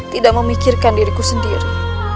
tidak memikirkan diriku sendiri